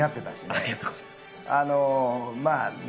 ありがとうございます。